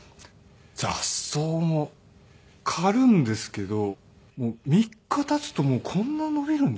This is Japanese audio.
雑草も刈るんですけど３日経つとこんな伸びるんですね。